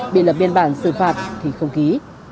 bị lập biên bản xử phạt thì không ký